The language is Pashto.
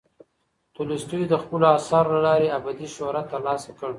تولستوی د خپلو اثارو له لارې ابدي شهرت ترلاسه کړ.